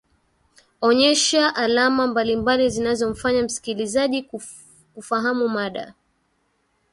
onyesha alama mbalimbali zinzomfanya msikilizaji kufahamu mada